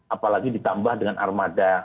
apalagi ditambah dengan armada